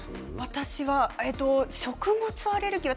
私は食物アレルギーは。